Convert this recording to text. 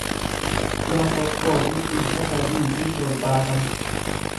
kuma tokkoo fi dhibba sadii fi torbaatama